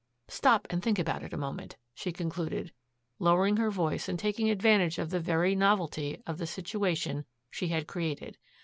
"Stop and think about it a moment," she concluded, lowering her voice and taking advantage of the very novelty of the situation she had created.